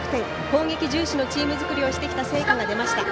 攻撃重視のチーム作りをしてきた成果が出ました。